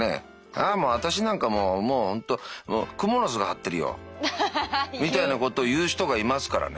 「ああもう私なんかもうほんとクモの巣が張ってるよ」みたいなこと言う人がいますからね。